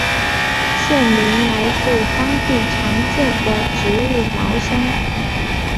县名来自当地常见的植物茅香。